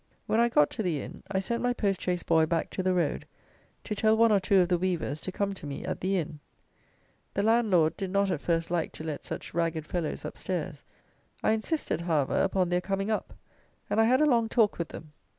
When I got to the inn, I sent my post chaise boy back to the road, to tell one or two of the weavers to come to me at the inn. The landlord did not at first like to let such ragged fellows upstairs. I insisted, however, upon their coming up, and I had a long talk with them.